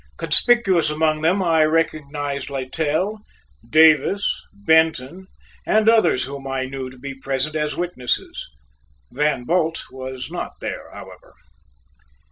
Conspicuous among them I recognized Littell, Davis, Benton, and others whom I knew to be present as witnesses. Van Bult was not there, however.